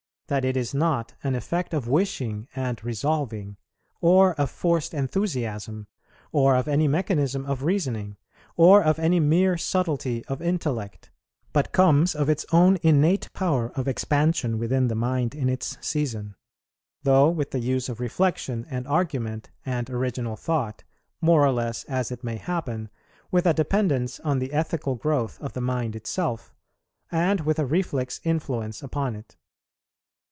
that it is not an effect of wishing and resolving, or of forced enthusiasm, or of any mechanism of reasoning, or of any mere subtlety of intellect; but comes of its own innate power of expansion within the mind in its season, though with the use of reflection and argument and original thought, more or less as it may happen, with a dependence on the ethical growth of the mind itself, and with a reflex influence upon it.